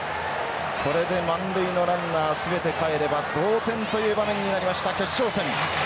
これで満塁のランナー全てかえれば同点という場面になりました決勝戦。